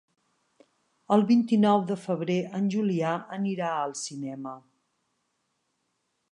El vint-i-nou de febrer en Julià anirà al cinema.